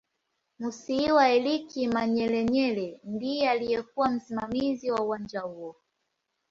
Musiiwa Eric Manyelenyele ndiye aliyekuw msimamizi wa uwanja huo